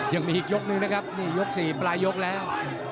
ยังมีอีกยกนึงนะครับนี่ยก๔ปลายยกแล้ว